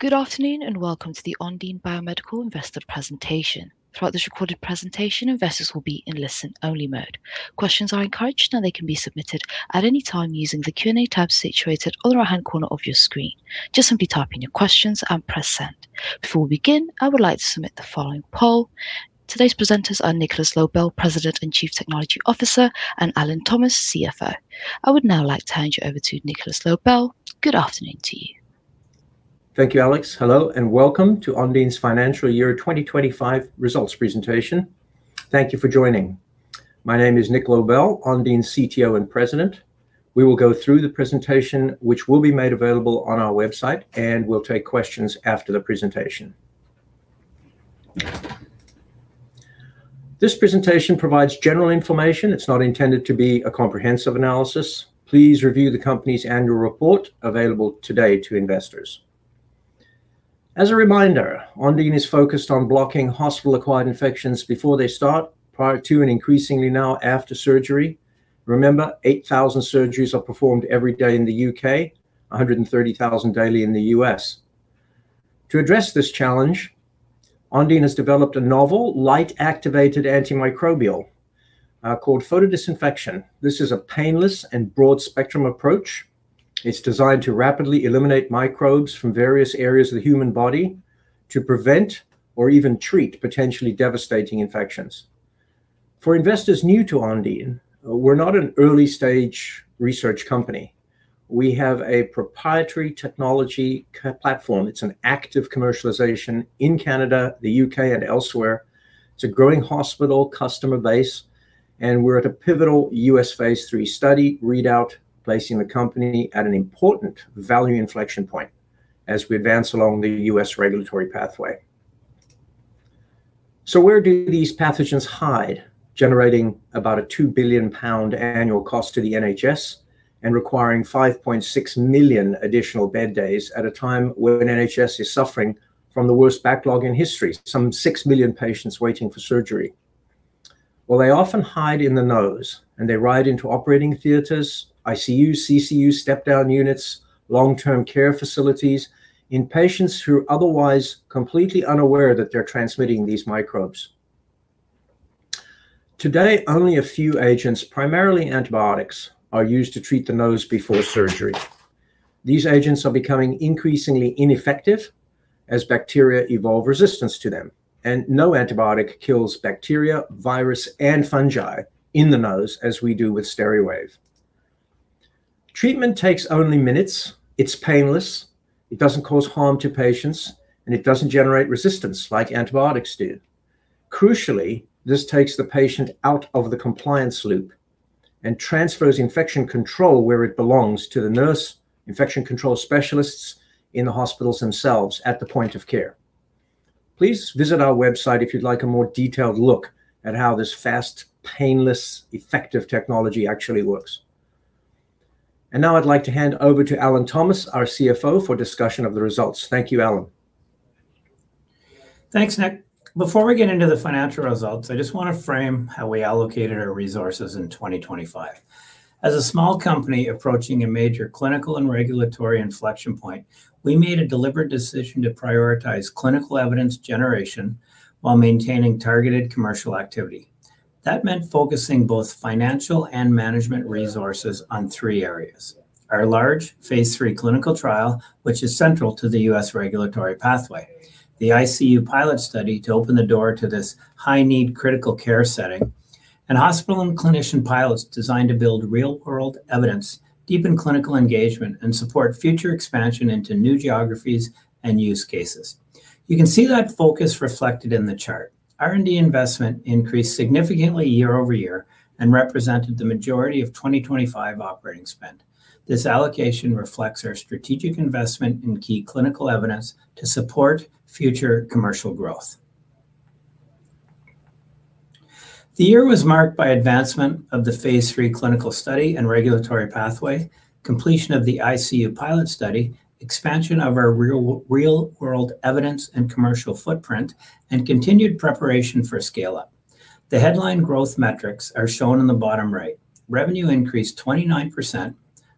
Good afternoon, and welcome to the Ondine Biomedical Investor Presentation. Throughout this recorded presentation, investors will be in listen only mode. Questions are encouraged, and they can be submitted at any time using the Q&A tab situated on the right-hand corner of your screen. Just simply type in your questions and press send. Before we begin, I would like to submit the following poll. Today's presenters are Nicolas Loebel, President and Chief Technology Officer, and Alan Thomas, CFO. I would now like to hand you over to Nicolas Loebel. Good afternoon to you. Thank you, Alex. Hello, welcome to Ondine's Financial Year 2025 Results Presentation. Thank you for joining. My name is Nick Loebel, Ondine's CTO and President. We will go through the presentation, which will be made available on our website, and we'll take questions after the presentation. This presentation provides general information. It's not intended to be a comprehensive analysis. Please review the company's annual report, available today to investors. As a reminder, Ondine is focused on blocking hospital-acquired infections before they start, prior to and increasingly now after surgery. Remember, 8,000 surgeries are performed every day in the U.K., 130,000 daily in the U.S. To address this challenge, Ondine has developed a novel light-activated antimicrobial, called photodisinfection. This is a painless and broad-spectrum approach. It's designed to rapidly eliminate microbes from various areas of the human body to prevent or even treat potentially devastating infections. For investors new to Ondine, we're not an early-stage research company. We have a proprietary technology platform. It's an active commercialization in Canada, the U.K., and elsewhere. It's a growing hospital customer base, and we're at a pivotal U.S. phase III study readout, placing the company at an important value inflection point as we advance along the U.S. regulatory pathway. Where do these pathogens hide, generating about a 2 billion pound annual cost to the NHS and requiring 5.6 million additional bed days at a time when NHS is suffering from the worst backlog in history, some 6 million patients waiting for surgery? Well, they often hide in the nose, and they ride into operating theaters, ICUs, CCUs, step-down units, long-term care facilities in patients who are otherwise completely unaware that they're transmitting these microbes. Today, only a few agents, primarily antibiotics, are used to treat the nose before surgery. These agents are becoming increasingly ineffective as bacteria evolve resistance to them, and no antibiotic kills bacteria, virus, and fungi in the nose as we do with Steriwave. Treatment takes only minutes. It's painless. It doesn't cause harm to patients, and it doesn't generate resistance like antibiotics do. Crucially, this takes the patient out of the compliance loop and transfers infection control where it belongs to the nurse infection control specialists in the hospitals themselves at the point of care. Please visit our website if you'd like a more detailed look at how this fast, painless, effective technology actually works. Now I'd like to hand over to Alan Thomas, our CFO, for discussion of the results. Thank you, Alan. Thanks, Nick. Before we get into the financial results, I just want to frame how we allocated our resources in 2025. As a small company approaching a major clinical and regulatory inflection point, we made a deliberate decision to prioritize clinical evidence generation while maintaining targeted commercial activity. That meant focusing both financial and management resources on three areas. Our large phase III clinical trial, which is central to the U.S. regulatory pathway, the ICU pilot study to open the door to this high-need critical care setting, and hospital and clinician pilots designed to build real-world evidence, deepen clinical engagement, and support future expansion into new geographies and use cases. You can see that focus reflected in the chart. R&D investment increased significantly year-over-year and represented the majority of 2025 operating spend. This allocation reflects our strategic investment in key clinical evidence to support future commercial growth. The year was marked by advancement of the phase III clinical study and regulatory pathway, completion of the ICU pilot study, expansion of our real-world evidence and commercial footprint, and continued preparation for scale-up. The headline growth metrics are shown in the bottom right. Revenue increased 29%,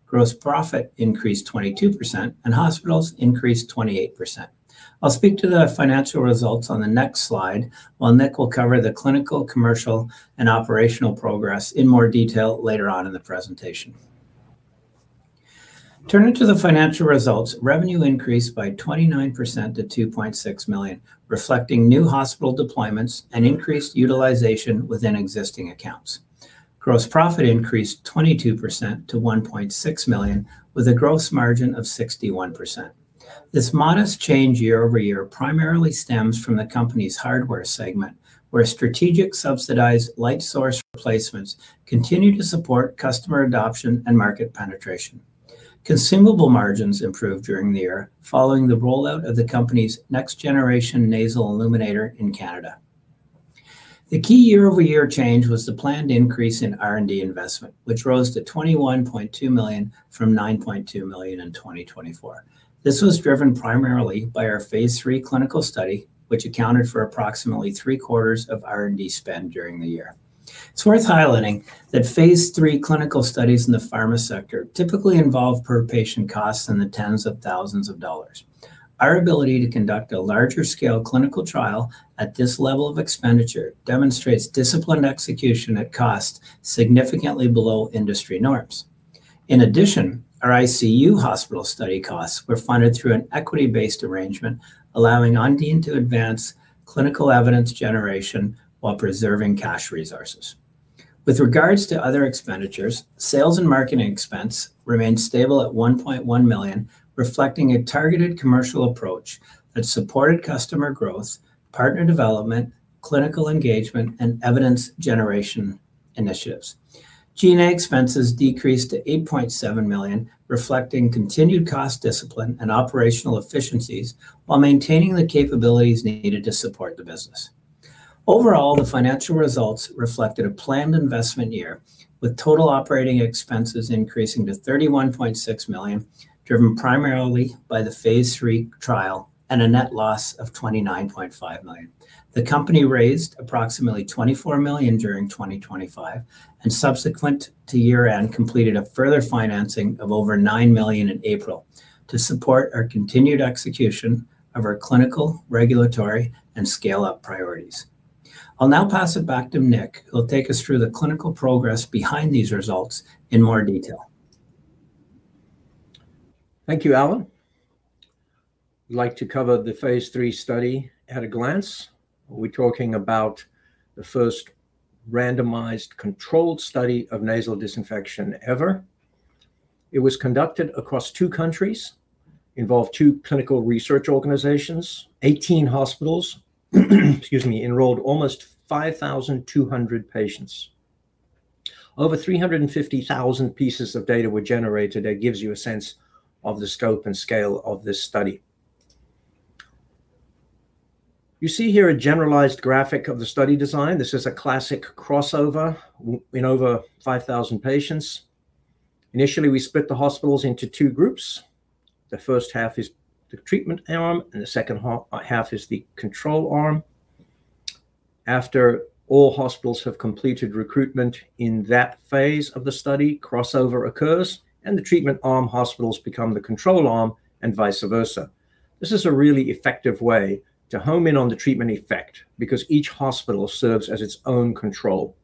gross profit increased 22%, and hospitals increased 28%. I'll speak to the financial results on the next slide, while Nick will cover the clinical, commercial, and operational progress in more detail later on in the presentation. Turning to the financial results, revenue increased by 29% to 2.6 million, reflecting new hospital deployments and increased utilization within existing accounts. Gross profit increased 22% to 1.6 million, with a gross margin of 61%. This modest change year-over-year primarily stems from the company's hardware segment, where strategic subsidized light source replacements continue to support customer adoption and market penetration. Consumable margins improved during the year following the rollout of the company's next-generation nasal illuminator in Canada. The key year-over-year change was the planned increase in R&D investment, which rose to 21.2 million from 9.2 million in 2024. This was driven primarily by our phase III clinical study, which accounted for approximately three-quarters of R&D spend during the year. It's worth highlighting that phase III clinical studies in the pharma sector typically involve per-patient costs in the tens of thousands of dollars. Our ability to conduct a larger scale clinical trial at this level of expenditure demonstrates disciplined execution at cost significantly below industry norms. In addition, our ICU hospital study costs were funded through an equity-based arrangement, allowing Ondine to advance clinical evidence generation while preserving cash resources. With regards to other expenditures, sales and marketing expense remained stable at 1.1 million, reflecting a targeted commercial approach that supported customer growth, partner development, clinical engagement, and evidence generation initiatives. G&A expenses decreased to 8.7 million, reflecting continued cost discipline and operational efficiencies while maintaining the capabilities needed to support the business. Overall, the financial results reflected a planned investment year, with total operating expenses increasing to 31.6 million, driven primarily by the phase III trial and a net loss of 29.5 million. The company raised approximately 24 million during 2025, and subsequent to year-end, completed a further financing of over 9 million in April to support our continued execution of our clinical, regulatory, and scale-up priorities. I'll now pass it back to Nick, who'll take us through the clinical progress behind these results in more detail. Thank you, Alan. I'd like to cover the phase III study at a glance. We're talking about the first randomized controlled study of nasal disinfection ever. It was conducted across two countries, involved two clinical research organizations, 18 hospitals, enrolled almost 5,200 patients. Over 350,000 pieces of data were generated. That gives you a sense of the scope and scale of this study. You see here a generalized graphic of the study design. This is a classic crossover in over 5,000 patients. Initially, we split the hospitals into two groups. The first half is the treatment arm and the second half is the control arm. After all hospitals have completed recruitment in that phase of the study, crossover occurs, and the treatment arm hospitals become the control arm, and vice versa. This is a really effective way to home in on the treatment effect because each hospital serves as its own control.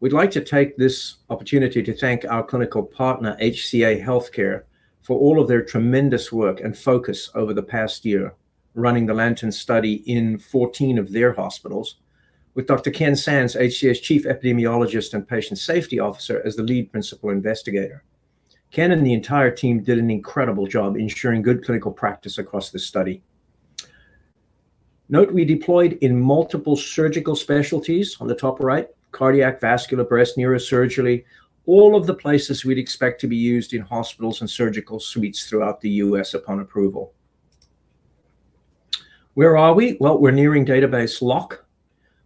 We'd like to take this opportunity to thank our clinical partner, HCA Healthcare, for all of their tremendous work and focus over the past year running the LANTERN study in 14 of their hospitals with Dr. Ken Sands, HCA's Chief Epidemiologist and Chief Patient Safety Officer, as the lead principal investigator. Ken and the entire team did an incredible job ensuring good clinical practice across the study. Note we deployed in multiple surgical specialties on the top right, cardiac, vascular, breast, neurosurgery, all of the places we'd expect to be used in hospitals and surgical suites throughout the U.S. upon approval. Where are we? Well, we're nearing database lock.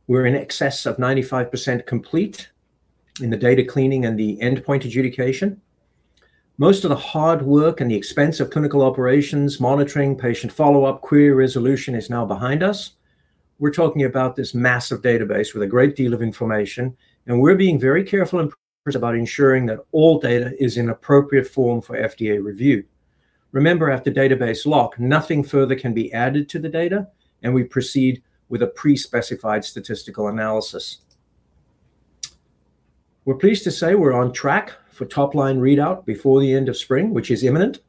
We're in excess of 95% complete in the data cleaning and the endpoint adjudication. Most of the hard work and the expense of clinical operations, monitoring, patient follow-up, query resolution is now behind us. We're talking about this massive database with a great deal of information, and we're being very careful about ensuring that all data is in appropriate form for FDA review. Remember, after database lock, nothing further can be added to the data, and we proceed with a pre-specified statistical analysis. We're pleased to say we're on track for top-line readout before the end of spring, which is imminent.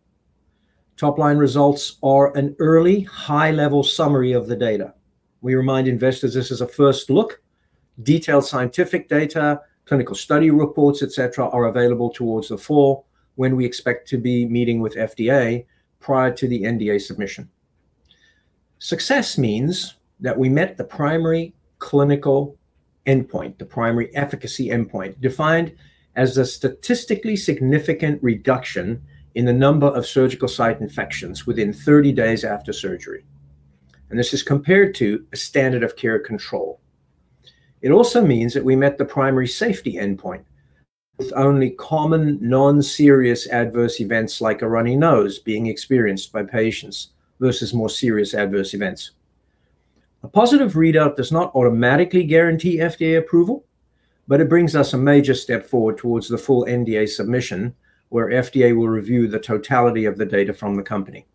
Top-line results are an early high-level summary of the data. We remind investors this is a first look. Detailed scientific data, clinical study reports, et cetera, are available towards the fall when we expect to be meeting with FDA prior to the NDA submission. Success means that we met the primary clinical endpoint, the primary efficacy endpoint, defined as a statistically significant reduction in the number of surgical site infections within 30 days after surgery. This is compared to a standard of care control. It also means that we met the primary safety endpoint, with only common non-serious adverse events like a runny nose being experienced by patients versus more serious adverse events. A positive readout does not automatically guarantee FDA approval, but it brings us a major step forward towards the full NDA submission, where FDA will review the totality of the data from the company.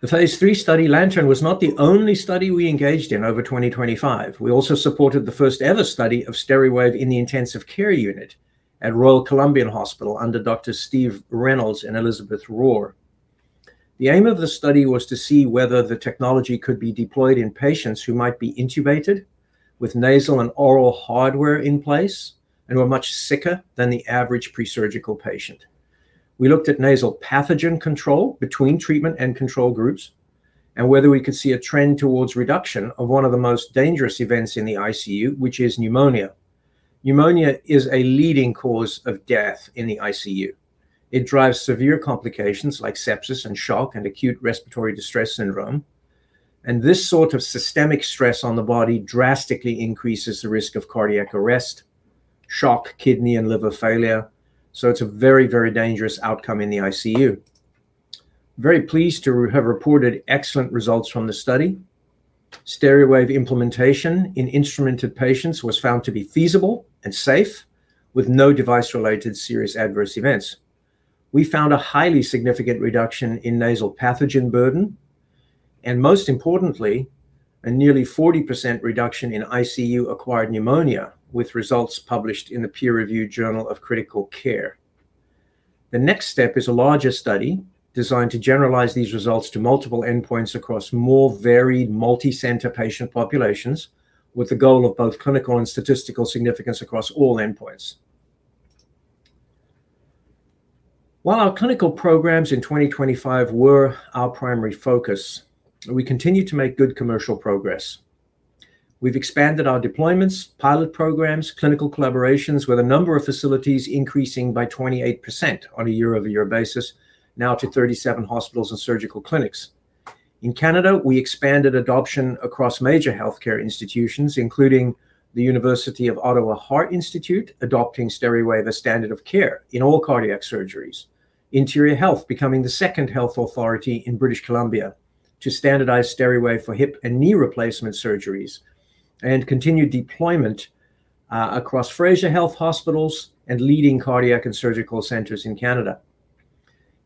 The phase III study, LANTERN, was not the only study we engaged in over 2025. We also supported the first-ever study of Steriwave in the intensive care unit at Royal Columbian Hospital under Dr. Steve Reynolds and Elizabeth Rohr. The aim of the study was to see whether the technology could be deployed in patients who might be intubated with nasal and oral hardware in place and were much sicker than the average pre-surgical patient. We looked at nasal pathogen control between treatment and control groups, and whether we could see a trend towards reduction of one of the most dangerous events in the ICU, which is pneumonia. Pneumonia is a leading cause of death in the ICU. It drives severe complications like sepsis and shock and acute respiratory distress syndrome. This sort of systemic stress on the body drastically increases the risk of cardiac arrest, shock, kidney and liver failure. It's a very, very dangerous outcome in the ICU. Very pleased to have reported excellent results from the study. Steriwave implementation in instrumented patients was found to be feasible and safe with no device-related serious adverse events. We found a highly significant reduction in nasal pathogen burden. Most importantly, a nearly 40% reduction in ICU-acquired pneumonia, with results published in the peer-reviewed Journal of Critical Care. The next step is a larger study designed to generalize these results to multiple endpoints across more varied multi-center patient populations, with the goal of both clinical and statistical significance across all endpoints. While our clinical programs in 2025 were our primary focus, we continue to make good commercial progress. We've expanded our deployments, pilot programs, clinical collaborations with a number of facilities increasing by 28% on a year-over-year basis, now to 37 hospitals and surgical clinics. In Canada, we expanded adoption across major healthcare institutions, including the University of Ottawa Heart Institute, adopting Steriwave as standard of care in all cardiac surgeries. Interior Health becoming the second health authority in British Columbia to standardize Steriwave for hip and knee replacement surgeries, and continued deployment across Fraser Health hospitals and leading cardiac and surgical centers in Canada.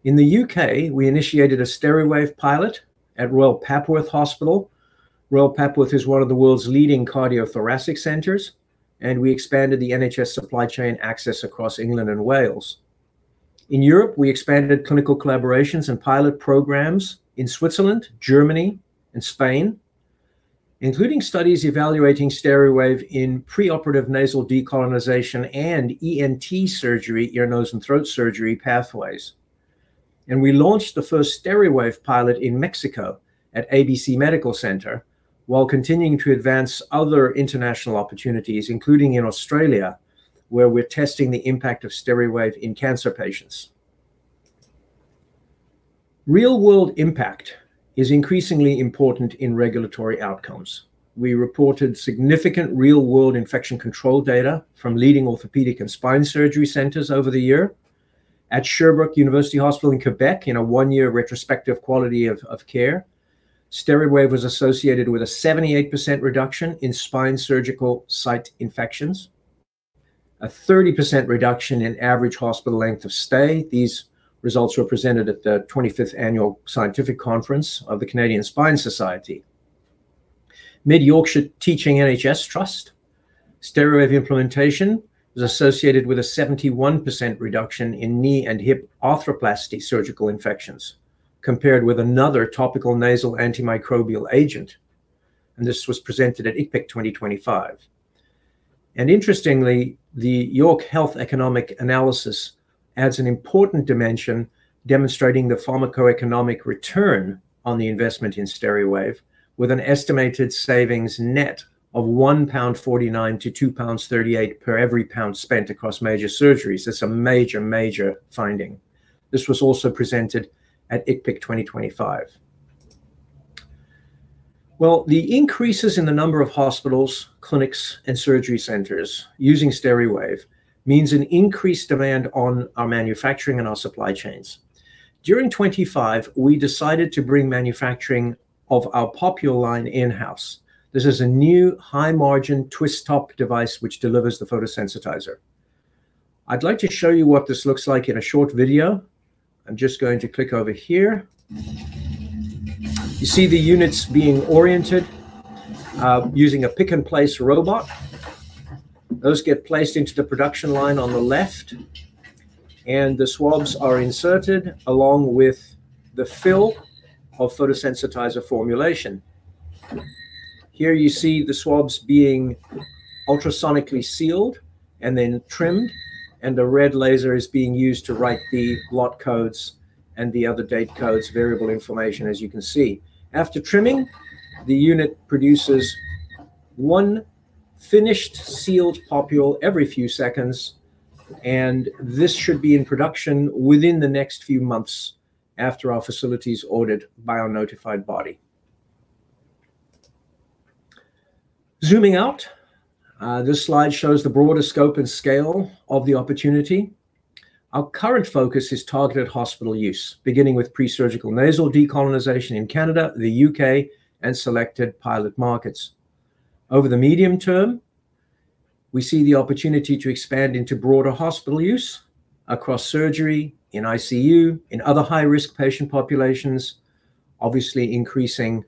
In the U.K., we initiated a Steriwave pilot at Royal Papworth Hospital. Royal Papworth is one of the world's leading cardiothoracic centers. We expanded the NHS Supply Chain access across England and Wales. In Europe, we expanded clinical collaborations and pilot programs in Switzerland, Germany, and Spain, including studies evaluating Steriwave in preoperative nasal decolonization and ENT surgery, ear, nose, and throat surgery pathways. We launched the first Steriwave pilot in Mexico at ABC Medical Center, while continuing to advance other international opportunities, including in Australia, where we're testing the impact of Steriwave in cancer patients. Real-world impact is increasingly important in regulatory outcomes. We reported significant real-world infection control data from leading orthopedic and spine surgery centers over the year. At Sherbrooke University Hospital in Quebec, in a one-year retrospective quality of care, Steriwave was associated with a 78% reduction in spine surgical site infections, a 30% reduction in average hospital length of stay. These results were presented at the 25th Annual Scientific Conference of the Canadian Spine Society. Mid Yorkshire Teaching NHS Trust, Steriwave implementation was associated with a 71% reduction in knee and hip arthroplasty surgical infections compared with another topical nasal antimicrobial agent. This was presented at ICPIC 2025. Interestingly, the York Health Economics Consortium adds an important dimension, demonstrating the pharmacoeconomic return on the investment in Steriwave, with an estimated savings net of 1.49 pound to 2.38 pounds per every GBP spent across major surgeries. That's a major finding. This was also presented at ICPIC 2025. Well, the increases in the number of hospitals, clinics, and surgery centers using Steriwave means an increased demand on our manufacturing and our supply chains. During 2025, we decided to bring manufacturing of our [popule] line in-house. This is a new high-margin twist-top device which delivers the photosensitizer. I'd like to show you what this looks like in a short video. I'm just going to click over here. You see the units being oriented using a pick-and-place robot. Those get placed into the production line on the left, the swabs are inserted along with the fill of photosensitizer formulation. Here you see the swabs being ultrasonically sealed and then trimmed, and the red laser is being used to write the lot codes and the other date codes, variable information, as you can see. After trimming, the unit produces one finished, sealed [popule] every few seconds, and this should be in production within the next few months after our facility's audit by our notified body. Zooming out, this slide shows the broader scope and scale of the opportunity. Our current focus is targeted hospital use, beginning with pre-surgical nasal decolonization in Canada, the U.K., and selected pilot markets. Over the medium term, we see the opportunity to expand into broader hospital use across surgery, in ICU, in other high-risk patient populations, obviously increasing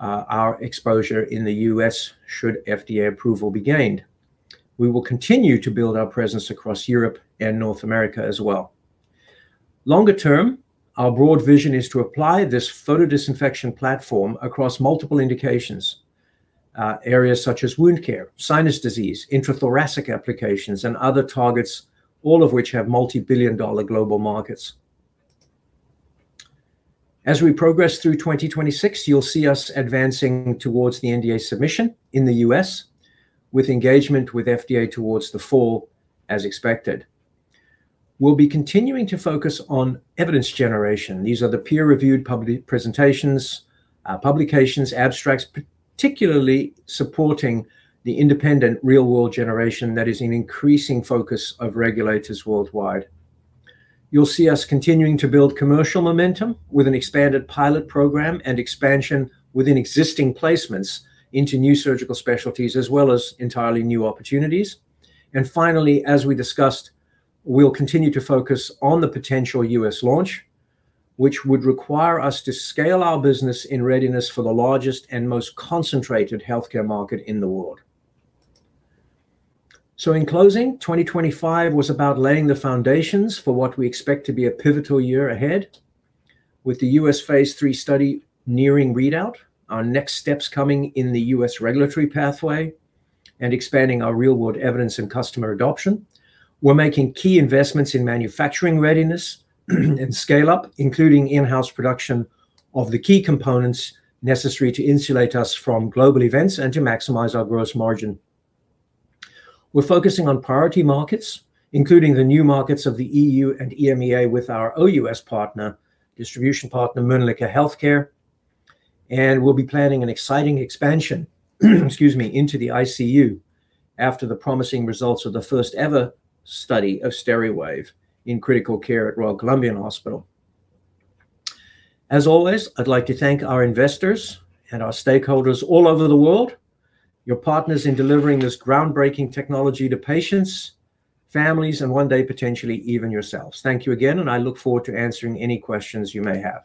our exposure in the U.S. should FDA approval be gained. We will continue to build our presence across Europe and North America as well. Longer term, our broad vision is to apply this photodisinfection platform across multiple indications. Areas such as wound care, sinus disease, intrathoracic applications, and other targets, all of which have multibillion-dollar global markets. As we progress through 2026, you'll see us advancing towards the NDA submission in the U.S., with engagement with FDA towards the fall as expected. We'll be continuing to focus on evidence generation. These are the peer-reviewed public presentations, publications, abstracts, particularly supporting the independent, real-world generation that is an increasing focus of regulators worldwide. You'll see us continuing to build commercial momentum with an expanded pilot program and expansion within existing placements into new surgical specialties, as well as entirely new opportunities. Finally, as we discussed, we'll continue to focus on the potential U.S. launch, which would require us to scale our business in readiness for the largest and most concentrated healthcare market in the world. In closing, 2025 was about laying the foundations for what we expect to be a pivotal year ahead. With the U.S. phase III study nearing readout, our next steps coming in the U.S. regulatory pathway, expanding our real-world evidence and customer adoption. We're making key investments in manufacturing readiness and scale-up, including in-house production of the key components necessary to insulate us from global events and to maximize our gross margin. We're focusing on priority markets, including the new markets of the EU and EMEA with our OUS partner, distribution partner, Mölnlycke Health Care, we'll be planning an exciting expansion, excuse me, into the ICU after the promising results of the first-ever study of Steriwave in critical care at Royal Columbian Hospital. As always, I'd like to thank our investors and our stakeholders all over the world, you're partners in delivering this groundbreaking technology to patients, families, and one day, potentially even yourselves. Thank you again, I look forward to answering any questions you may have.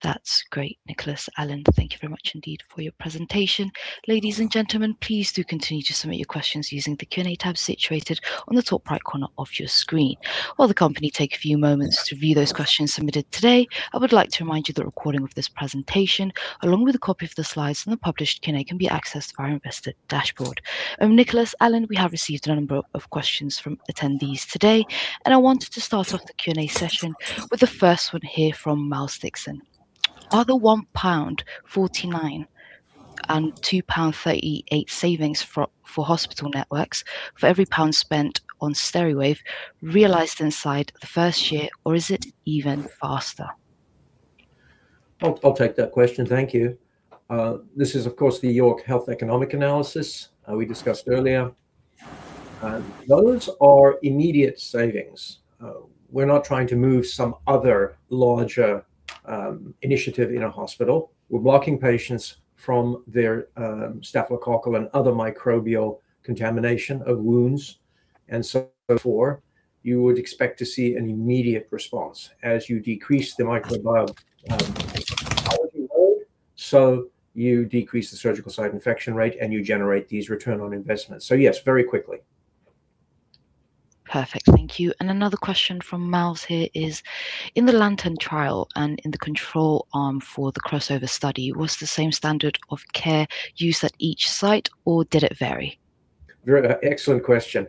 That's great, Nicolas, Alan. Thank you very much indeed for your presentation. Ladies and gentlemen, please do continue to submit your questions using the Q&A tab situated on the top right corner of your screen. While the company take a few moments to view those questions submitted today, I would like to remind you that a recording of this presentation, along with a copy of the slides and the published Q&A, can be accessed via investor dashboard. Nicolas, Alan, we have received a number of questions from attendees today. I wanted to start off the Q&A session with the first one here from Miles Dixon. Are the 1.49 pound and 2.38 pound savings for hospital networks for every GBP spent on Steriwave realized inside the first year, or is it even faster? I'll take that question. Thank you. This is, of course, the York Health Economics analysis we discussed earlier. Those are immediate savings. We're not trying to move some other larger initiative in a hospital. We're blocking patients from their staphylococcal and other microbial contamination of wounds, and so forth. You would expect to see an immediate response. As you decrease the microbial load, so you decrease the surgical site infection rate, and you generate these return on investments. Yes, very quickly. Perfect. Thank you. Another question from Miles here is: In the LANTERN trial and in the control arm for the crossover study, was the same standard of care used at each site, or did it vary? Very excellent question.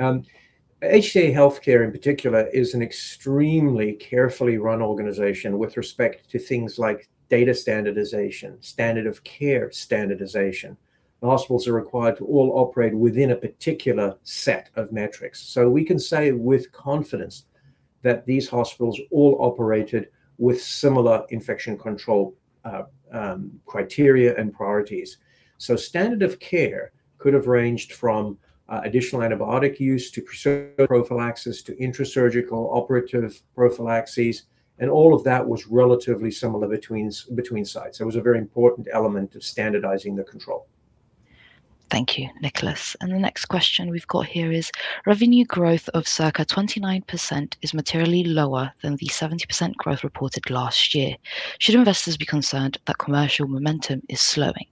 HCA Healthcare, in particular, is an extremely carefully run organization with respect to things like data standardization, standard of care standardization. Hospitals are required to all operate within a particular set of metrics. We can say with confidence that these hospitals all operated with similar infection control criteria and priorities. Standard of care could have ranged from additional antibiotic use to prophylaxis to intra-surgical operative prophylaxis, and all of that was relatively similar between sites. It was a very important element of standardizing the control. Thank you, Nicolas. The next question we've got here is: Revenue growth of circa 29% is materially lower than the 70% growth reported last year. Should investors be concerned that commercial momentum is slowing?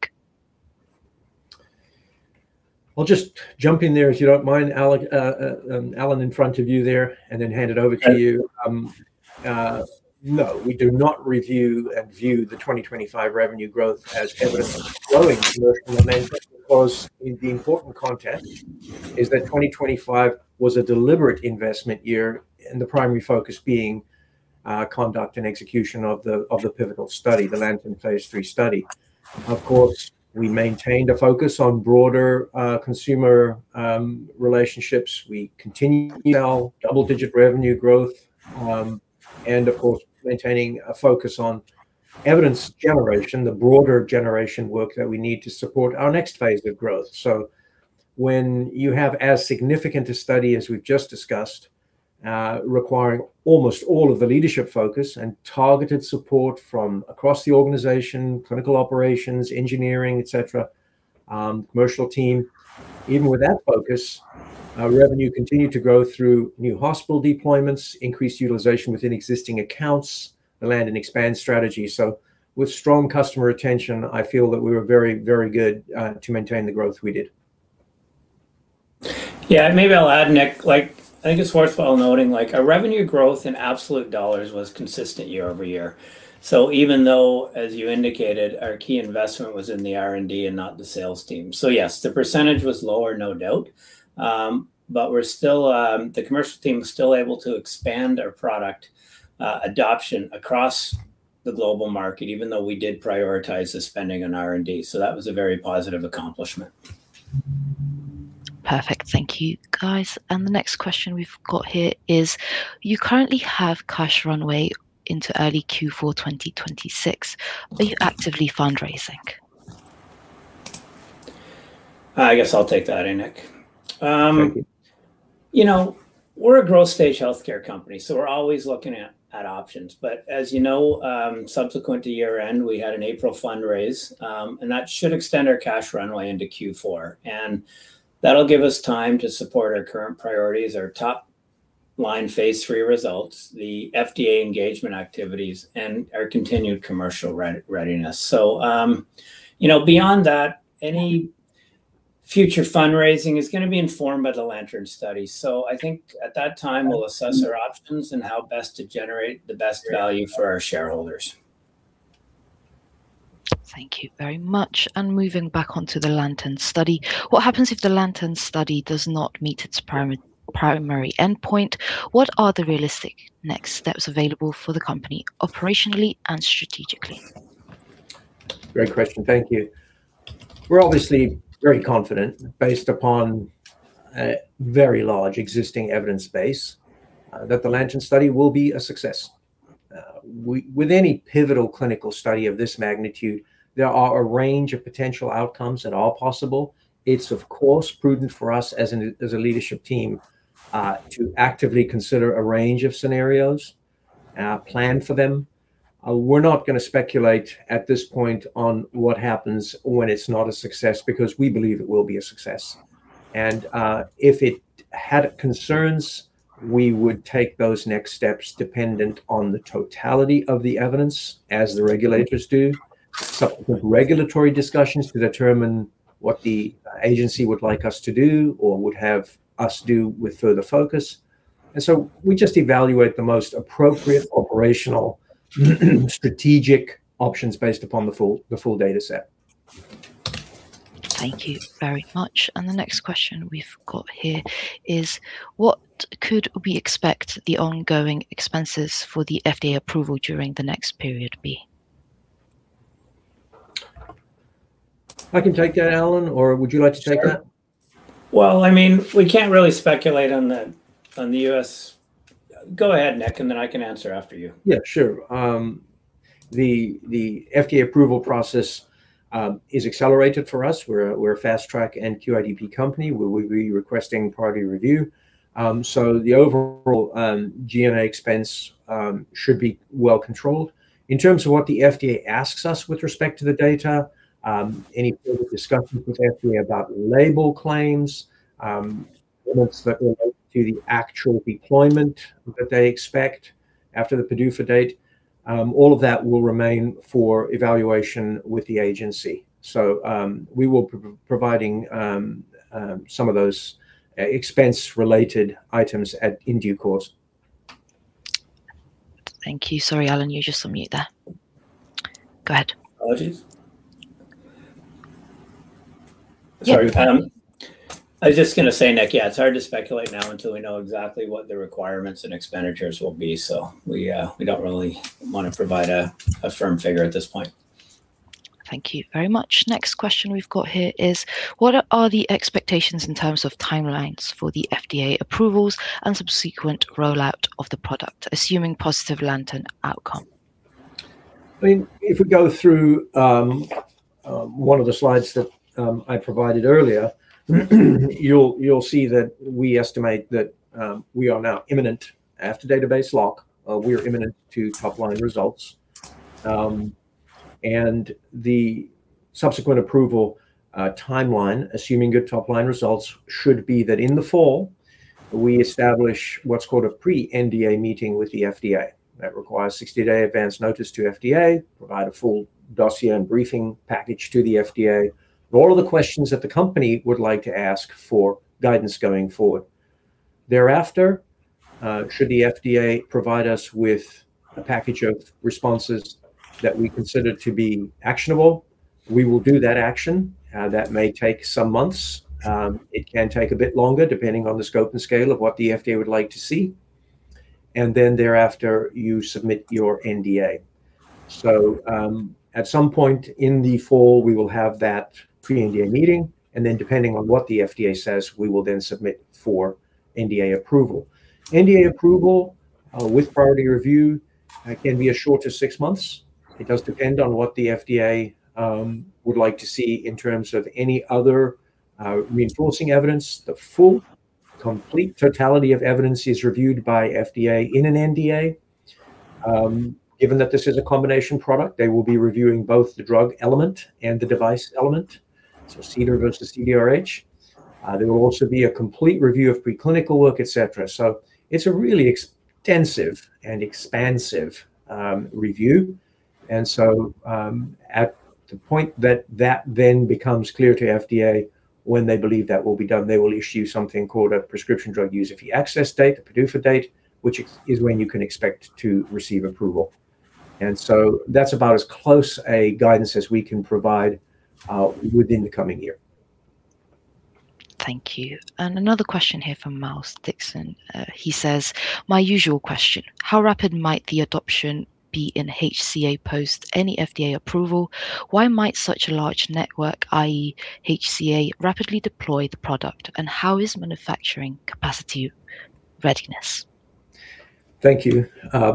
I'll just jump in there if you don't mind, Alan, in front of you there, and then hand it over to you. No. We do not review and view the 2025 revenue growth as evidence of slowing commercial momentum, because the important context is that 2025 was a deliberate investment year, and the primary focus being conduct and execution of the pivotal study, the LANTERN phase III study. Of course, we maintained a focus on broader consumer relationships. We continue our double-digit revenue growth, and of course, maintaining a focus on evidence generation, the broader generation work that we need to support our next phase of growth. When you have as significant a study as we've just discussed, requiring almost all of the leadership focus and targeted support from across the organization, clinical operations, engineering, et cetera, commercial team. Even with that focus, our revenue continued to grow through new hospital deployments, increased utilization within existing accounts, the land and expand strategy. With strong customer retention, I feel that we were very good to maintain the growth we did. Yeah. Maybe I'll add, Nick. I think it's worthwhile noting our revenue growth in absolute dollars was consistent year-over-year. Even though, as you indicated, our key investment was in the R&D and not the sales team. Yes, the percentage was lower, no doubt. The commercial team was still able to expand our product adoption across the global market, even though we did prioritize the spending on R&D. That was a very positive accomplishment. Perfect. Thank you, guys. The next question we've got here is: You currently have cash runway into early Q4 2026. Are you actively fundraising? I guess I'll take that, eh, Nick? Thank you. We're a growth stage healthcare company, so we're always looking at options. As you know, subsequent to year-end, we had an April fundraise, and that should extend our cash runway into Q4. That'll give us time to support our current priorities, our top-line phase III results, the FDA engagement activities, and our continued commercial readiness. Beyond that, any future fundraising is going to be informed by the LANTERN study. I think at that time, we'll assess our options and how best to generate the best value for our shareholders. Thank you very much. Moving back onto the LANTERN study, what happens if the LANTERN study does not meet its primary endpoint? What are the realistic next steps available for the company operationally and strategically? Great question. Thank you. We're obviously very confident, based upon a very large existing evidence base, that the LANTERN study will be a success. With any pivotal clinical study of this magnitude, there are a range of potential outcomes that are possible. It's of course prudent for us as a leadership team to actively consider a range of scenarios, plan for them. We're not going to speculate at this point on what happens when it's not a success, because we believe it will be a success. If it had concerns, we would take those next steps dependent on the totality of the evidence, as the regulators do. Subsequent regulatory discussions to determine what the agency would like us to do or would have us do with further focus. We just evaluate the most appropriate operational, strategic options based upon the full data set. Thank you very much. The next question we've got here is what could we expect the ongoing expenses for the FDA approval during the next period be? I can take that, Alan, or would you like to take that? Sure. Well, we can't really speculate on the U.S. Go ahead, Nick, and then I can answer after you. Yeah, sure. The FDA approval process is accelerated for us. We're a Fast Track and QIDP company, where we'll be requesting priority review. The overall G&A expense should be well controlled. In terms of what the FDA asks us with respect to the data, any further discussions with FDA about label claims, elements that will relate to the actual deployment that they expect after the PDUFA date, all of that will remain for evaluation with the agency. We will be providing some of those expense-related items in due course. Thank you. Sorry, Alan, you're just on mute there. Go ahead. Apologies. Sorry, Pam. I was just going to say, Nick, yeah, it's hard to speculate now until we know exactly what the requirements and expenditures will be. We don't really want to provide a firm figure at this point. Thank you very much. Next question we've got here is, what are the expectations in terms of timelines for the FDA approvals and subsequent rollout of the product, assuming positive LANTERN outcome? If we go through one of the slides that I provided earlier, you'll see that we estimate that we are now imminent. After database lock, we are imminent to top-line results. The subsequent approval timeline, assuming good top-line results, should be that in the fall, we establish what's called a pre-NDA meeting with the FDA. That requires 60-day advance notice to FDA, provide a full dossier and briefing package to the FDA, and all of the questions that the company would like to ask for guidance going forward. Thereafter, should the FDA provide us with a package of responses that we consider to be actionable, we will do that action. That may take some months. It can take a bit longer, depending on the scope and scale of what the FDA would like to see. Then thereafter, you submit your NDA. At some point in the fall, we will have that pre-NDA meeting, and then depending on what the FDA says, we will then submit for NDA approval. NDA approval with priority review can be as short as six months. It does depend on what the FDA would like to see in terms of any other reinforcing evidence. The full, complete totality of evidence is reviewed by FDA in an NDA. Given that this is a combination product, they will be reviewing both the drug element and the device element, so CDER versus CDRH. There will also be a complete review of preclinical work, et cetera. It's a really extensive and expansive review. At the point that that then becomes clear to FDA, when they believe that will be done, they will issue something called a Prescription Drug User Fee Act date, a PDUFA date, which is when you can expect to receive approval. That's about as close a guidance as we can provide within the coming year. Thank you. Another question here from Miles Dixon. He says, "My usual question. How rapid might the adoption be in HCA post any FDA approval? Why might such a large network, i.e., HCA, rapidly deploy the product? How is manufacturing capacity readiness?" Thank you.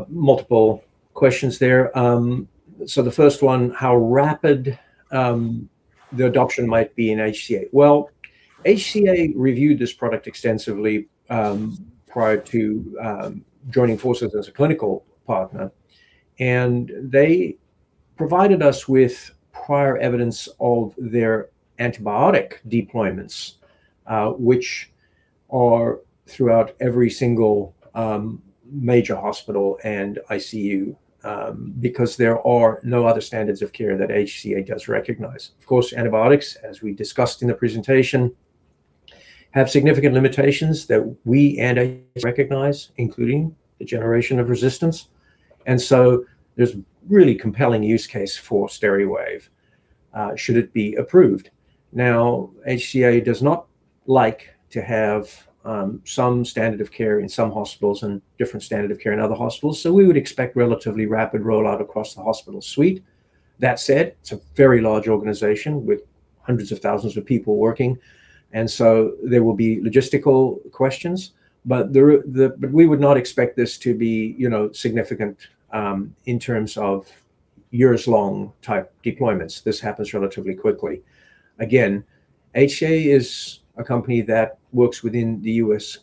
Multiple questions there. The first one, how rapid the adoption might be in HCA. Well, HCA reviewed this product extensively prior to joining forces as a clinical partner. They provided us with prior evidence of their antibiotic deployments, which are throughout every single major hospital and ICU, because there are no other standards of care that HCA does recognize. Of course, antibiotics, as we discussed in the presentation, have significant limitations that we and HCA recognize, including the generation of resistance. There's really compelling use case for Steriwave, should it be approved. Now, HCA does not like to have some standard of care in some hospitals and different standard of care in other hospitals, so we would expect relatively rapid rollout across the hospital suite. That said, it is a very large organization with hundreds of thousands of people working, there will be logistical questions. We would not expect this to be significant in terms of years-long type deployments. This happens relatively quickly. Again, HCA is a company that works within the U.S.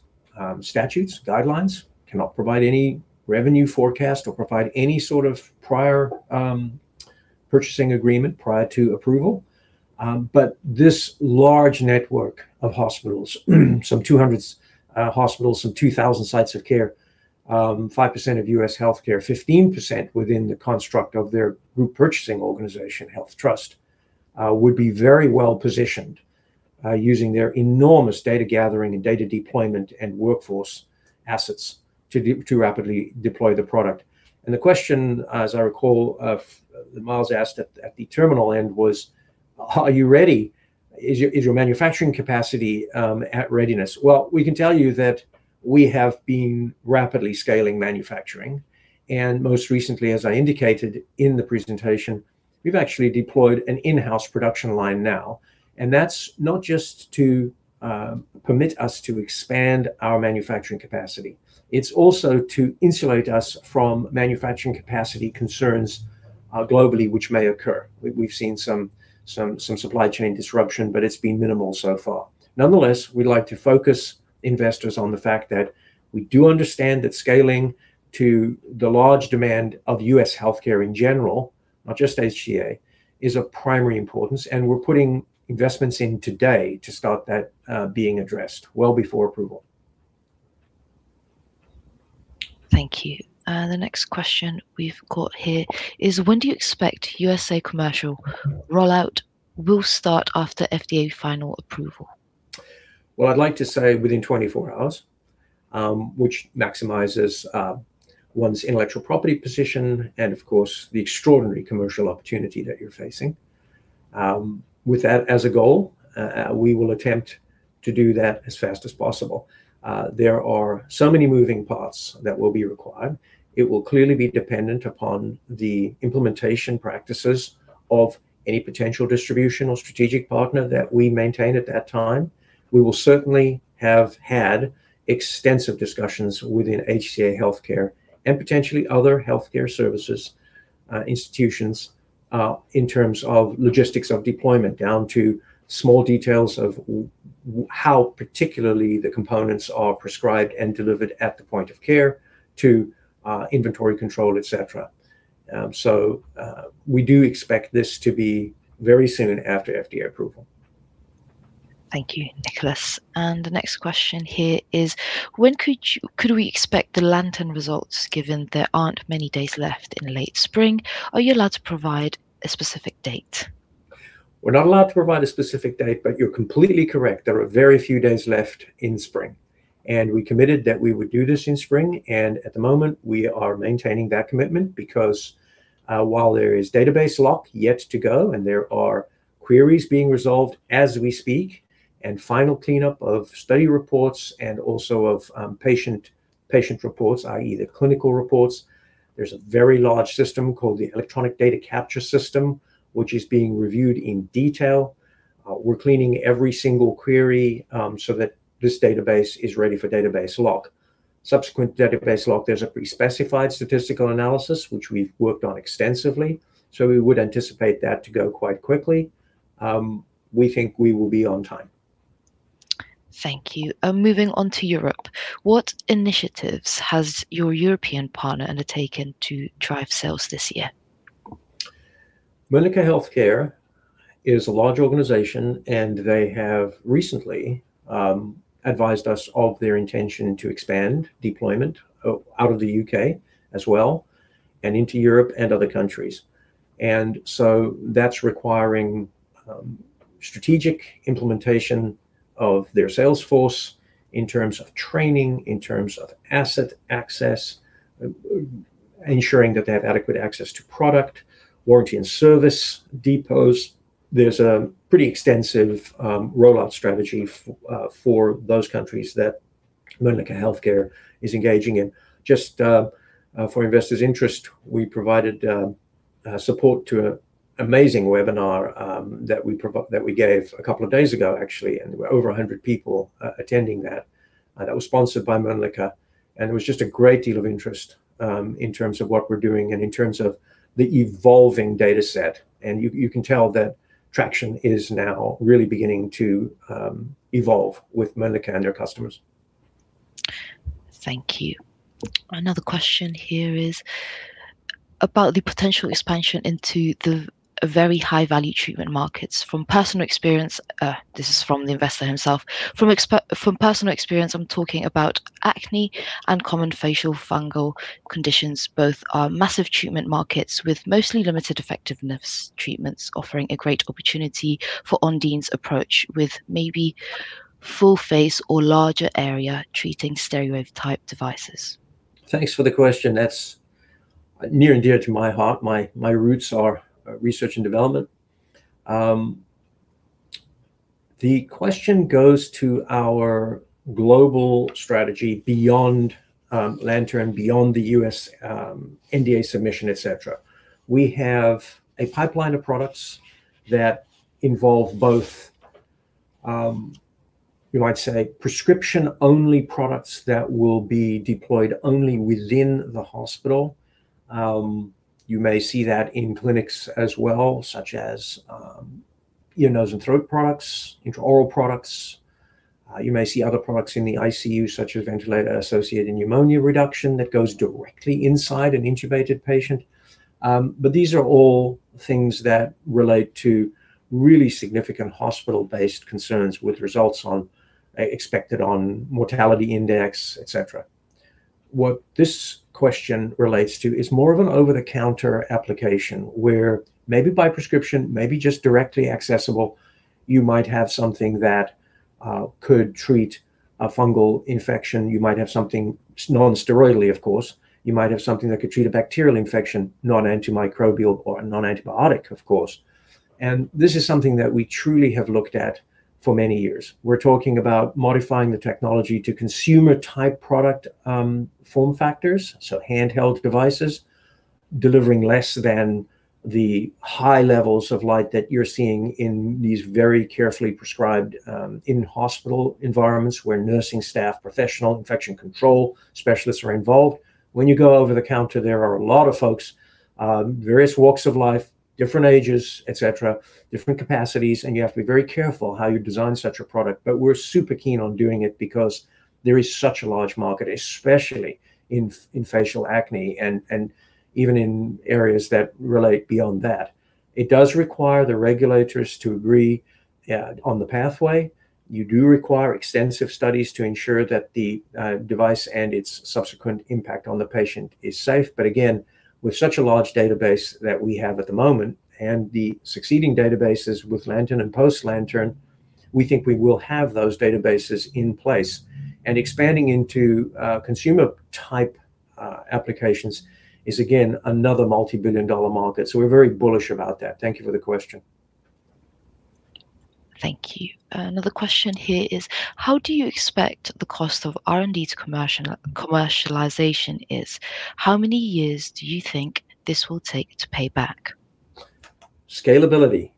statutes, guidelines, cannot provide any revenue forecast or provide any sort of prior purchasing agreement prior to approval. This large network of hospitals, some 200 hospitals, some 2,000 sites of care, 5% of U.S. healthcare, 15% within the construct of their group purchasing organization, HealthTrust, would be very well-positioned using their enormous data gathering and data deployment and workforce assets to rapidly deploy the product. The question, as I recall, that Miles asked at the terminal end was, are you ready? Is your manufacturing capacity at readiness? Well, we can tell you that we have been rapidly scaling manufacturing. Most recently, as I indicated in the presentation, we've actually deployed an in-house production line now. That's not just to permit us to expand our manufacturing capacity. It's also to insulate us from manufacturing capacity concerns globally, which may occur. We've seen some supply chain disruption. It's been minimal so far. Nonetheless, we like to focus investors on the fact that we do understand that scaling to the large demand of U.S. healthcare in general, not just HCA, is of primary importance. We're putting investments in today to start that being addressed well before approval. Thank you. The next question we've got here is, when do you expect USA commercial rollout will start after FDA final approval? Well, I'd like to say within 24 hours, which maximizes one's intellectual property position and, of course, the extraordinary commercial opportunity that you're facing. With that as a goal, we will attempt to do that as fast as possible. There are so many moving parts that will be required. It will clearly be dependent upon the implementation practices of any potential distribution or strategic partner that we maintain at that time. We will certainly have had extensive discussions within HCA Healthcare and potentially other healthcare services institutions in terms of logistics of deployment, down to small details of how particularly the components are prescribed and delivered at the point of care to inventory control, et cetera. We do expect this to be very soon after FDA approval. Thank you, Nicolas. The next question here is, when could we expect the LANTERN results, given there aren't many days left in late spring? Are you allowed to provide a specific date? We're not allowed to provide a specific date, but you're completely correct. There are very few days left in spring, and we committed that we would do this in spring, and at the moment, we are maintaining that commitment because while there is database lock yet to go, and there are queries being resolved as we speak, and final cleanup of study reports and also of patient reports, i.e. the clinical reports. There's a very large system called the Electronic Data Capture system, which is being reviewed in detail. We're cleaning every single query so that this database is ready for database lock. Subsequent database lock, there's a pre-specified statistical analysis, which we've worked on extensively, so we would anticipate that to go quite quickly. We think we will be on time. Thank you. Moving on to Europe, what initiatives has your European partner undertaken to drive sales this year? Mölnlycke Health Care is a large organization, and they have recently advised us of their intention to expand deployment out of the U.K. as well and into Europe and other countries. That's requiring strategic implementation of their sales force in terms of training, in terms of asset access, ensuring that they have adequate access to product, warranty and service depots. There's a pretty extensive rollout strategy for those countries that Mölnlycke Health Care is engaging in. Just for investors' interest, we provided support to an amazing webinar that we gave a couple of days ago, actually, and there were over 100 people attending that. That was sponsored by Mölnlycke, and it was just a great deal of interest in terms of what we're doing and in terms of the evolving data set. You can tell that traction is now really beginning to evolve with Mölnlycke and their customers. Thank you. Another question here is about the potential expansion into the very high-value treatment markets. From personal experience, this is from the investor himself. From personal experience, I'm talking about acne and common facial fungal conditions. Both are massive treatment markets with mostly limited effectiveness treatments offering a great opportunity for Ondine's approach with maybe full face or larger area treating Steriwave type devices. Thanks for the question. That's near and dear to my heart. My roots are research and development. The question goes to our global strategy beyond LANTERN, beyond the U.S. NDA submission, et cetera. We have a pipeline of products that involve both, you might say, prescription-only products that will be deployed only within the hospital. You may see that in clinics as well, such as ear, nose, and throat products, intraoral products. You may see other products in the ICU, such as ventilator-associated pneumonia reduction that goes directly inside an intubated patient. These are all things that relate to really significant hospital-based concerns with results expected on mortality index, et cetera. What this question relates to is more of an over-the-counter application where maybe by prescription, maybe just directly accessible, you might have something that could treat a fungal infection. You might have something non-steroidally, of course. You might have something that could treat a bacterial infection, non-antimicrobial or non-antibiotic, of course. This is something that we truly have looked at for many years. We're talking about modifying the technology to consumer-type product form factors, so handheld devices delivering less than the high levels of light that you're seeing in these very carefully prescribed in-hospital environments where nursing staff, professional infection control specialists are involved. When you go over the counter, there are a lot of folks, various walks of life, different ages, et cetera, different capacities, and you have to be very careful how you design such a product. We're super keen on doing it because there is such a large market, especially in facial acne and even in areas that relate beyond that. It does require the regulators to agree on the pathway. You do require extensive studies to ensure that the device and its subsequent impact on the patient is safe. Again, with such a large database that we have at the moment and the succeeding databases with LANTERN and post-LANTERN, we think we will have those databases in place. Expanding into consumer-type applications is, again, another multibillion-dollar market, so we're very bullish about that. Thank you for the question. Thank you. Another question here is: how do you expect the cost of R&D to commercialization is? How many years do you think this will take to pay back? Scalability.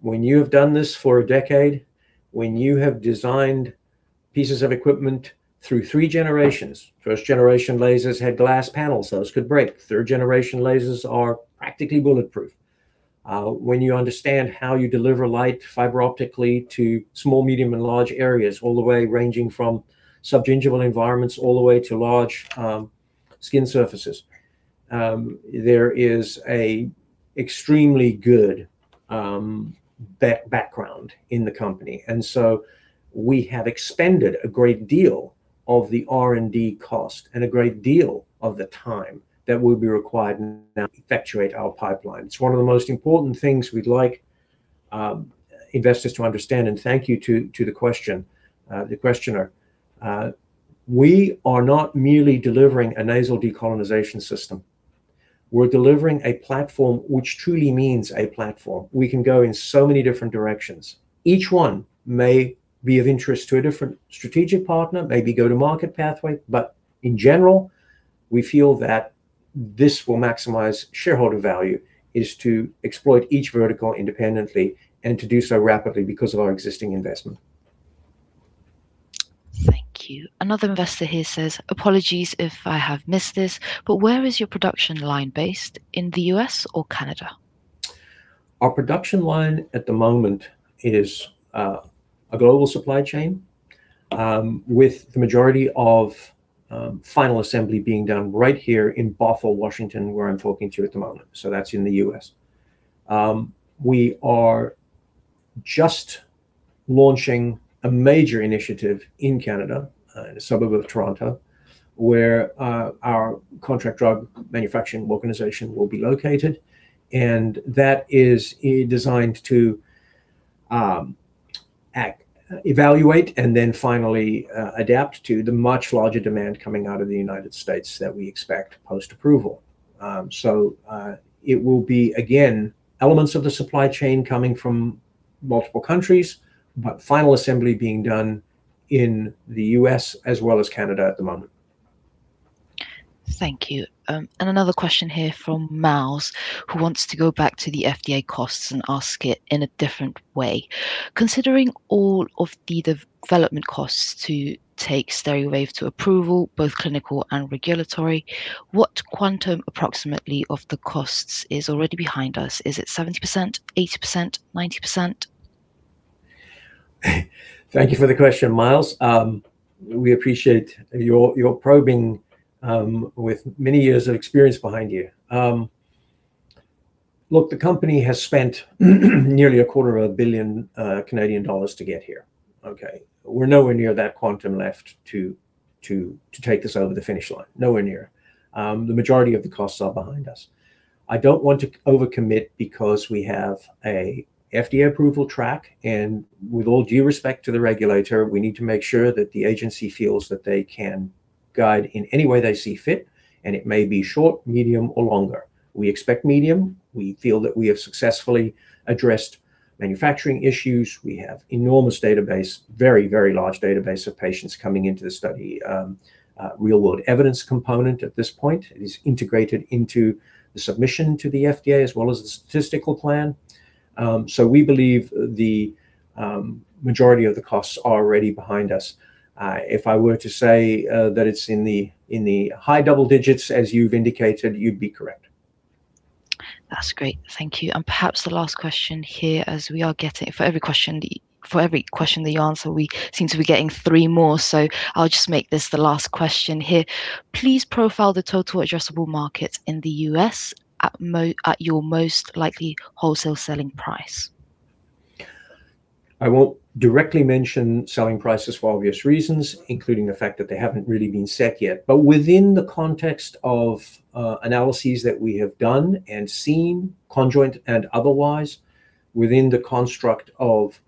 When you have done this for a decade, when you have designed pieces of equipment through three generations. First-generation lasers had glass panels, those could break. Third-generation lasers are practically bulletproof. When you understand how you deliver light fiber optically to small, medium, and large areas, all the way ranging from subgingival environments all the way to large skin surfaces, there is an extremely good background in the company. We have expended a great deal of the R&D cost and a great deal of the time that will be required to now effectuate our pipeline. It's one of the most important things we'd like investors to understand, and thank you to the questioner. We are not merely delivering a nasal decolonization system. We're delivering a platform, which truly means a platform. We can go in so many different directions. Each one may be of interest to a different strategic partner, maybe go-to-market pathway. In general, we feel that this will maximize shareholder value, is to exploit each vertical independently and to do so rapidly because of our existing investment. Thank you. Another investor here says, "Apologies if I have missed this, but where is your production line based? In the U.S. or Canada?" Our production line at the moment is a global supply chain, with the majority of final assembly being done right here in Bothell, Washington, where I'm talking to you at the moment. That's in the U.S. We are just launching a major initiative in Canada, in a suburb of Toronto, where our contract drug manufacturing organization will be located, and that is designed to evaluate and then finally adapt to the much larger demand coming out of the United States that we expect post-approval. It will be, again, elements of the supply chain coming from multiple countries, but final assembly being done in the U.S. as well as Canada at the moment. Thank you. Another question here from Miles, who wants to go back to the FDA costs and ask it in a different way. Considering all of the development costs to take Steriwave to approval, both clinical and regulatory, what quantum approximately of the costs is already behind us? Is it 70%, 80%, 90%? Thank you for the question, Miles. We appreciate your probing with many years of experience behind you. Look, the company has spent nearly a quarter of a billion CAD to get here, okay? We're nowhere near that quantum left to take this over the finish line. Nowhere near. The majority of the costs are behind us. I don't want to over-commit because we have a FDA approval track, and with all due respect to the regulator, we need to make sure that the agency feels that they can guide in any way they see fit, and it may be short, medium, or longer. We expect medium. We feel that we have successfully addressed manufacturing issues. We have enormous database, very large database of patients coming into the study. Real-world evidence component at this point is integrated into the submission to the FDA as well as the statistical plan. We believe the majority of the costs are already behind us. If I were to say that it's in the high double digits as you've indicated, you'd be correct. That's great. Thank you. Perhaps the last question here, as we are getting for every question that you answer, we seem to be getting three more, so I'll just make this the last question here. Please profile the total addressable market in the U.S. at your most likely wholesale selling price. I won't directly mention selling prices for obvious reasons, including the fact that they haven't really been set yet. Within the context of analyses that we have done and seen, conjoint and otherwise, within the construct of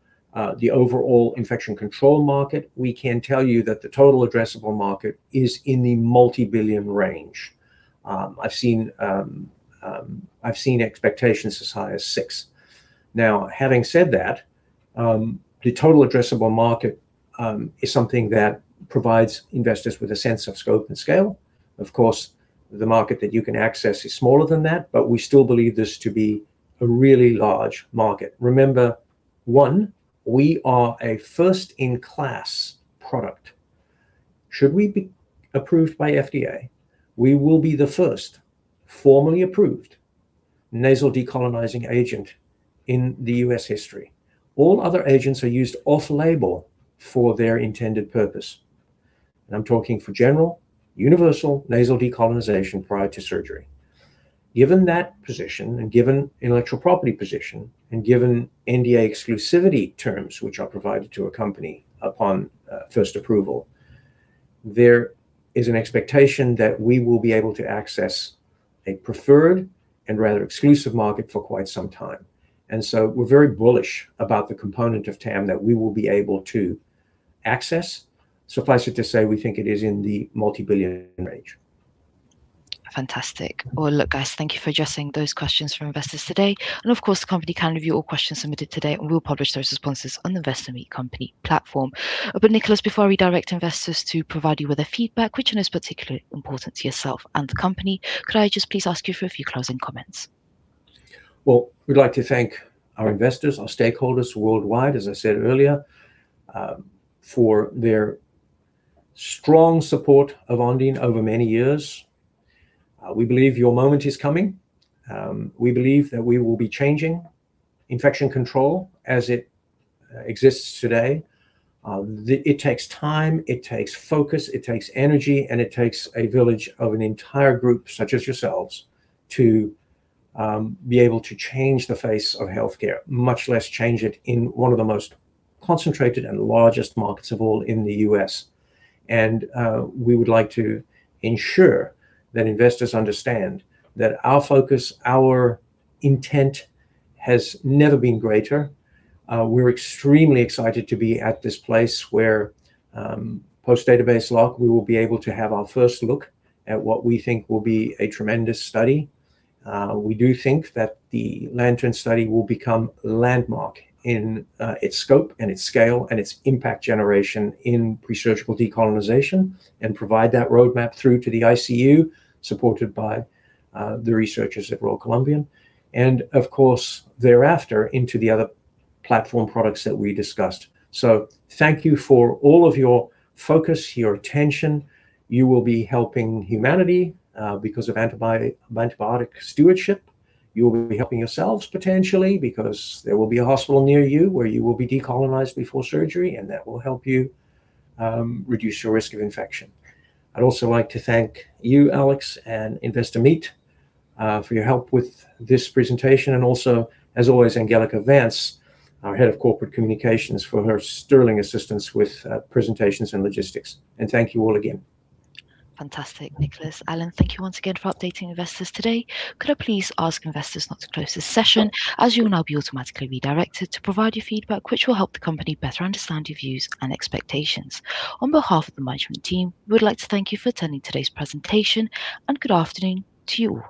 the overall infection control market, we can tell you that the total addressable market is in the multi-billion range. I've seen expectations as high as 6 billion. Now, having said that, the total addressable market is something that provides investors with a sense of scope and scale. Of course, the market that you can access is smaller than that, but we still believe this to be a really large market. Remember, one, we are a first-in-class product. Should we be approved by FDA, we will be the first formally approved nasal decolonizing agent in the U.S. history. All other agents are used off-label for their intended purpose, and I'm talking for general universal nasal decolonization prior to surgery. Given that position and given intellectual property position, and given NDA exclusivity terms, which are provided to a company upon first approval, there is an expectation that we will be able to access a preferred and rather exclusive market for quite some time. We're very bullish about the component of TAM that we will be able to access. Suffice it to say, we think it is in the CAD multi-billion range. Fantastic. Well, look, guys, thank you for addressing those questions from investors today. Of course, the company can review all questions submitted today, and we'll publish those responses on Investor Meet Company platform. Nicolas, before I redirect investors to provide you with their feedback, which is particularly important to yourself and the company, could I just please ask you for a few closing comments? Well, we'd like to thank our investors, our stakeholders worldwide, as I said earlier, for their strong support of Ondine over many years. We believe your moment is coming. We believe that we will be changing infection control as it exists today. It takes time, it takes focus, it takes energy, and it takes a village of an entire group such as yourselves to be able to change the face of healthcare, much less change it in one of the most concentrated and largest markets of all in the U.S. We would like to ensure that investors understand that our focus, our intent has never been greater. We're extremely excited to be at this place where post-database lock, we will be able to have our first look at what we think will be a tremendous study. We do think that the LANTERN study will become landmark in its scope and its scale and its impact generation in pre-surgical decolonization and provide that roadmap through to the ICU, supported by the researchers at Royal Columbian. Of course, thereafter, into the other platform products that we discussed. Thank you for all of your focus, your attention. You will be helping humanity, because of antibiotic stewardship. You will be helping yourselves potentially because there will be a hospital near you where you will be decolonized before surgery, and that will help you reduce your risk of infection. I would also like to thank you, Alex, and Investor Meet for your help with this presentation. Also, as always, Angelika Vance, our Head of Corporate Communications, for her sterling assistance with presentations and logistics. Thank you all again. Fantastic. Nicolas, Alan, thank you once again for updating investors today. Could I please ask investors not to close this session, as you will now be automatically redirected to provide your feedback, which will help the company better understand your views and expectations. On behalf of the management team, we would like to thank you for attending today's presentation, and good afternoon to you all.